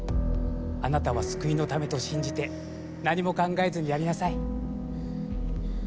あなたは救いのためと信じて何も考えずにやりなさい。